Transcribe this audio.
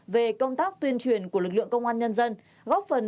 về công tác tuyên truyền của lực lượng công an nhân dân góp phần